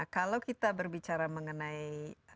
kalau kita berbicara mengenai